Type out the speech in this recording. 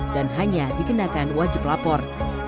dan hanya dikenakan wajib lapor